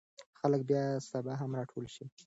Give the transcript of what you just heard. خلک به سبا هم راټول شي.